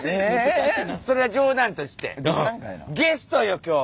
それは冗談としてゲストよ今日！